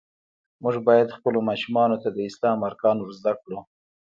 مونږ باید خپلو ماشومانو ته د اسلام ارکان ور زده کړو.